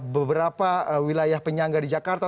beberapa wilayah penyangga di jakarta